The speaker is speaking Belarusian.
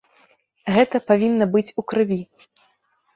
Гэта павінна быць у крыві.